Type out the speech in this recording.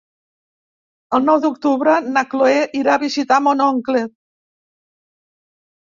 El nou d'octubre na Cloè irà a visitar mon oncle.